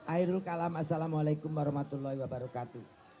assalamualaikum warahmatullahi wabarakatuh